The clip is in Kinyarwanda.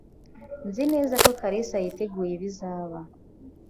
Nzi neza ko kalisa yiteguye ibizaba.